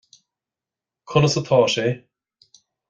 Conas atá sé